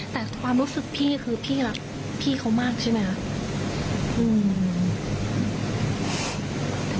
แต่ความรู้สึกพี่คือพี่รักพี่เขามากใช่ไหมคะ